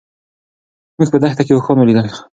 موږ په دښته کې اوښان ولیدل.